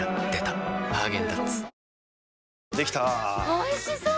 おいしそう！